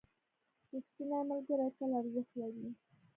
ریښتیني ملګري تل ارزښت لري.